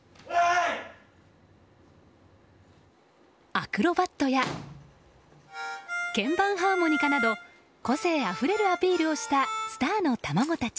アクロバットや鍵盤ハーモニカなど個性あふれるアピールをしたスターの卵たち。